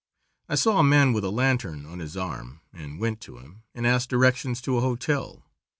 I saw a man with a lantern on his arm, and went to him and asked directions to a hotel.